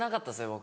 僕。